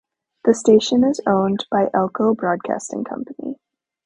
The station is owned by Elko Broadcasting Company.